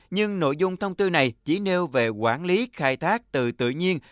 nhưng nội dung thông tư này chỉ nêu về quản lý khai thác từ tự nhiên